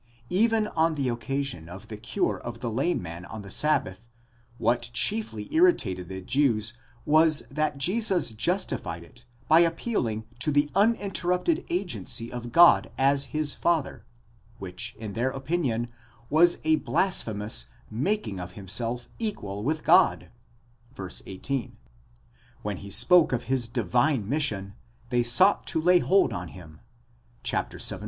Even on the occasion of the cure of the lame man on the Sabbath, what chiefly irritated the Jews was that Jesus justified it by appealing to the uninterrupted agency of God as his Father, which in their opinion was a blasphemous making of himself equal with God, ἴσον. ἑαυτὸν ποιεῖν τῷ θεῷ (v. 18); when he spoke of his divine mission, they sought to lay hold on him (vii.